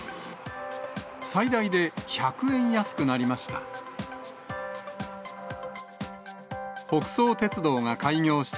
最大で１００円安くなりました。